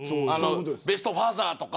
ベスト・ファーザーとか。